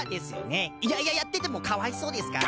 いやいややっててもかわいそうですから。